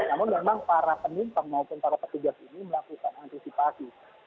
namun memang para penumpang maupun para petugas ini melakukan penumpang yang tidak berpengalaman